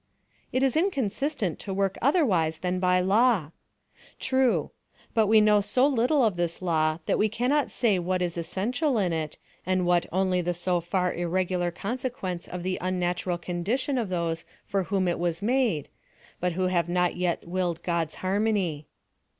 "It is inconsistent to work otherwise than by law." True; but we know so little of this law that we cannot say what is essential in it, and what only the so far irregular consequence of the unnatural condition of those for whom it was made, but who have not yet willed God's harmony.